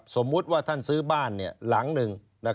สมมุติว่าท่านซื้อบ้านหลังหนึ่ง